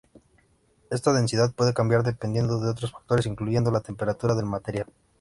Esta densidad puede cambiar dependiendo de otros factores, incluyendo la temperatura del material.